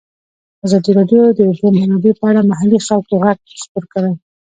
ازادي راډیو د د اوبو منابع په اړه د محلي خلکو غږ خپور کړی.